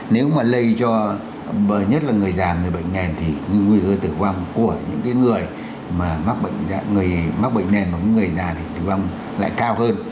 nếu mà lây cho bởi nhất là người già người bệnh nền thì nguy hư tử vong của những cái người mà mắc bệnh nền và người già thì tử vong lại cao hơn